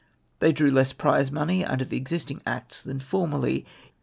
They drew less prize money under the existing acts than formerly.